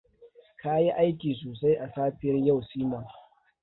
Ka yi aiki sosai a safiyar yau Simon.